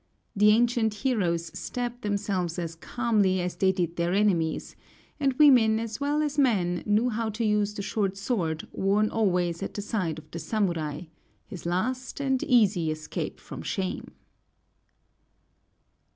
The ancient heroes stabbed themselves as calmly as they did their enemies, and women as well as men knew how to use the short sword worn always at the side of the samurai, his last and easy escape from shame.